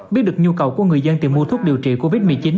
biết được nhu cầu của người dân tìm mua thuốc điều trị covid một mươi chín